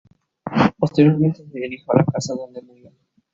Posteriormente, se dirigió a la casa donde murió.